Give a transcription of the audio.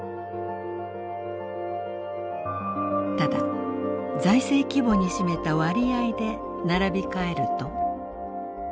ただ財政規模に占めた割合で並び替えると。